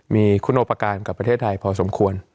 มีคุณโอปการณ์กับประเทศไทยพอสมควร